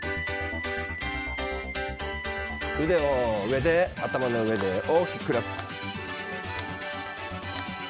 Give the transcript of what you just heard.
腕を上、頭の上で大きくクラップ。